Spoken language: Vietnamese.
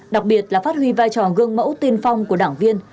đặc biệt là phát huy vai trò gương mẫu tiên phong của đảng viên